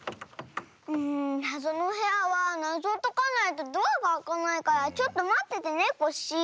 なぞのおへやはなぞをとかないとドアがあかないからちょっとまっててねコッシー。